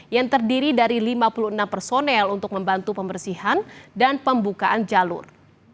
yang terdiri dari lima puluh enam personel untuk membantu pembersihan dan pembukaan jalur